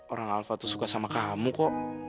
orang alfa tuh suka sama kamu kok